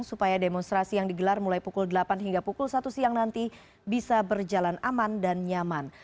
supaya demonstrasi yang digelar mulai pukul delapan hingga pukul satu siang nanti bisa berjalan aman dan nyaman